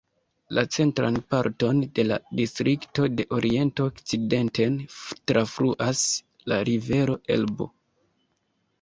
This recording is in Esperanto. La centran parton de la distrikto de oriento okcidenten trafluas la rivero Elbo.